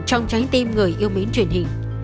trong trái tim người yêu mến truyền hình